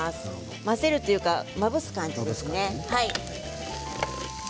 混ぜるというかまぶす感じですね。